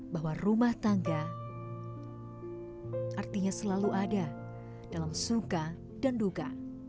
bahwa rumah tangga artinya selalu ada dalam suka dan duka